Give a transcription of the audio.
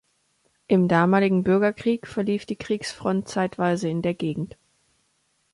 Im damaligen Bürgerkrieg verlief die Kriegsfront zeitweise in der Gegend.